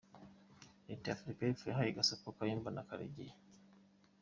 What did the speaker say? Leta ya Afurika y’Epfo yahaye Gasopo Kayumba na Karegeya